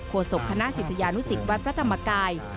โศกคณะศิษยานุสิตวัดพระธรรมกาย